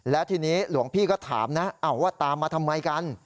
แล้วทีนี้หลวงพี่ก็ถามนะว่าตามมาทำไมกัน